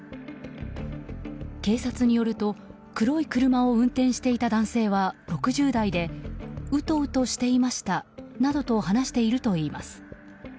警察によると、黒い車を運転していた男性は６０代でうとうとしていましたなどと話しているといいます。